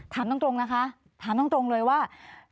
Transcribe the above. ถามตรงนะคะถามตรงเลยว่า